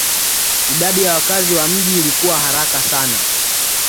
Idadi ya wakazi wa mji ilikua haraka sana